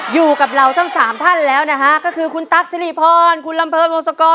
อยู่กับเราทั้งสามท่านแล้วนะฮะก็คือคุณตั๊กสิริพรคุณลำเพลินวงศกร